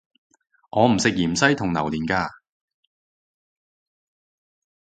我唔食芫茜同榴連架